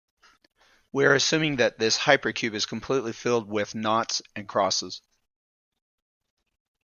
We are assuming that this hypercube is completely filled with "noughts" and "crosses".